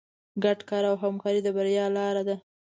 ګډ کار او همکاري د بریا لاره ده.